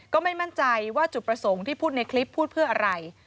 ก็ไม่มั่นใจว่าจุดประสงค์ที่พูดในคลิปพูดเพื่ออะไร